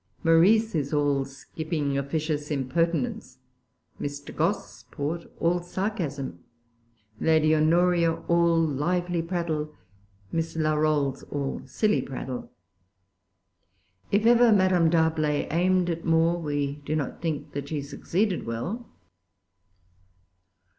Morrice is all skipping, officious impertinence, Mr. Gosport all sarcasm, Lady Honoria all lively[Pg 386] prattle, Miss Larolles all silly prattle. If ever Madame D'Arblay aimed at more, we do not think that she succeeded well.